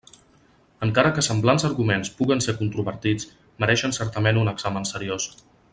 Encara que semblants arguments puguen ser controvertits, mereixen certament un examen seriós.